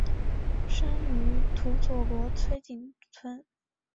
生于土佐国吹井村。